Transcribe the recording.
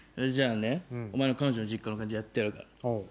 じゃあねお前の彼女の実家の感じやってやるから。